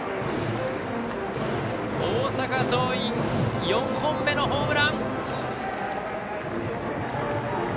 大阪桐蔭、４本目のホームラン。